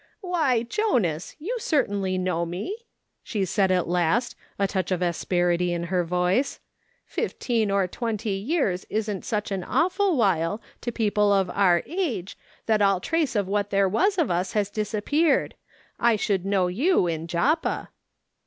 " Why, Jonas, you certainly know me," she said at last, a touch of asperity in her voice ;" fifteen or twenty years isn't such an awful while, to people of our age, that all trace of what there was of us has disappeared. I should know you in Joppa."